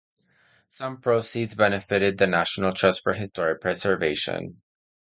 Some proceeds benefited the National Trust for Historic Preservation.